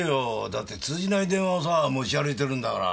だって通じない電話をさぁ持ち歩いてるんだから。